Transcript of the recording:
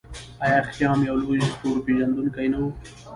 آیا خیام یو لوی ستورپیژندونکی نه و؟